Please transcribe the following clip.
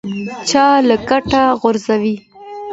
چا له کټه غورځوي.